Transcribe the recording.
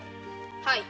はい。